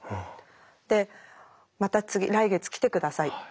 で「また次来月来て下さい」。